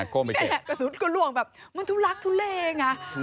กระสุนก็ล่วงแบบมันทุลักทุเลไง